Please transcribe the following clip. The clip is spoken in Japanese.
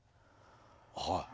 はい。